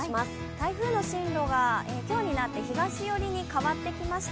台風の進路が、今日になって東寄りに変わってきました。